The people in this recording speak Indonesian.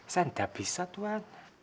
saya tidak bisa tuan